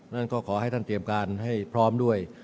นั่นก็ขอให้ท่านเตรียมการให้พร้อมด้วย